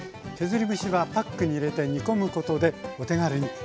削り節はパックに入れて煮込むことでお手軽に。